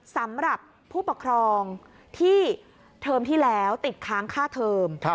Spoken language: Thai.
สำหรับผู้ปกครองที่เทอมที่แล้วติดค้างค่าเทอม